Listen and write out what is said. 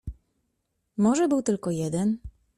"Może był tylko jeden."